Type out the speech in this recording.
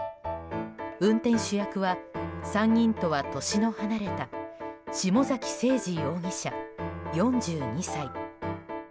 運転手役は３人とは年の離れた下崎星児容疑者、４２歳。